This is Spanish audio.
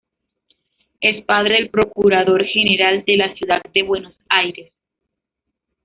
Es padre del procurador general de la ciudad de Buenos Aires.